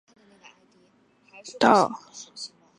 陇海路是河南省郑州市一条呈东西走向的城市主干道。